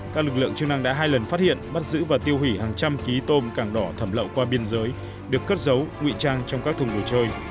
các lực lượng chức năng đã hai lần phát hiện bắt giữ và tiêu hủy hàng trăm ký tôm càng đỏ thẩm lậu qua biên giới được cất giấu nguy trang trong các thùng đồ chơi